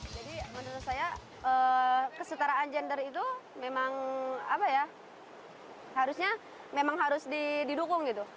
jadi menurut saya kesetaraan gender itu memang harusnya didukung gitu